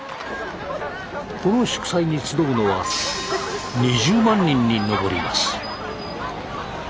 この祝祭に集うのは２０万人に上ります。